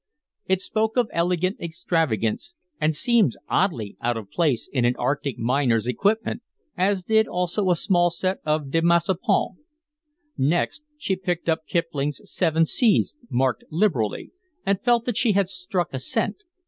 It spoke of elegant extravagance, and seemed oddly out of place in an Arctic miner's equipment, as did also a small set of De Maupassant. Next, she picked up Kipling's Seven Seas, marked liberally, and felt that she had struck a scent.